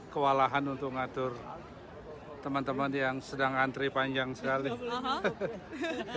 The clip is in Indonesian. kewalahan untuk ngatur teman teman yang sedang antri panjang sekali